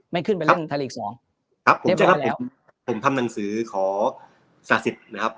ไม่ขึ้นไปเล่นไทยลีกส์๒ครับผมทำหนังสือขอสนับสิทธิ์นะครับ